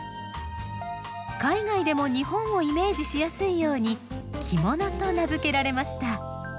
海外でも日本をイメージしやすいように「きもの」と名付けられました。